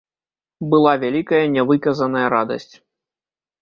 Была вялікая, нявыказаная радасць.